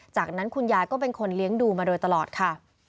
จากนั้นคุณยายก็เป็นคนเลี้ยงดูมาโดยตลอดค่ะ